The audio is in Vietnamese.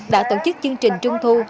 đã tổ chức chương trình trung thu